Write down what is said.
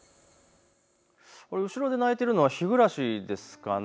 後ろで鳴いているのはひぐらしですかね。